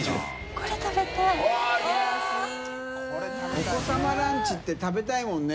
お子様ランチって食べたいもんね。